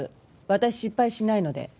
私失敗しないので。